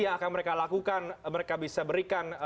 yang akan mereka lakukan mereka bisa berikan